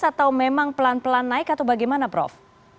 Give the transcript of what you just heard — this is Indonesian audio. atau memang pelan pelan naik atau bagaimana prof